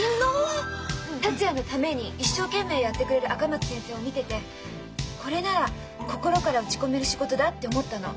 達也のために一生懸命やってくれる赤松先生を見ててこれなら心から打ち込める仕事だって思ったの。